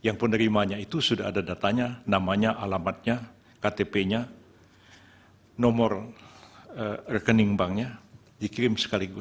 yang penerimanya itu sudah ada datanya namanya alamatnya ktp nya nomor rekening banknya dikirim sekaligus